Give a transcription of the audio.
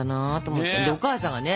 お母さんがね